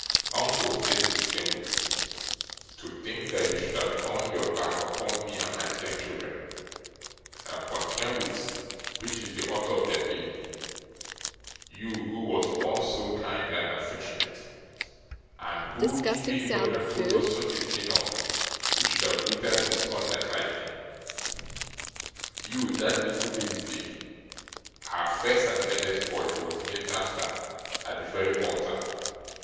'Uncle,' said Mrs. Kenwigs, 'to think that you should have turned your back upon me and my dear children, and upon Kenwigs which is the author of their being you who was once so kind and affectionate, and who, if anybody had told us such a thing of, we should have withered with scorn like lightning you that little Lillyvick, our first and earliest boy, was named after at the very altar!